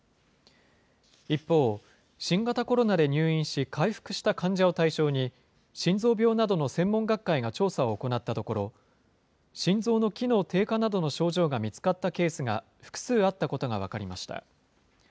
一方、新型コロナで入院し、回復した患者を対象に、心臓病などの専門学会が調査を行ったところ、心臓の機能低下などの症状が見つかったケースが、複数あったことが分かりました。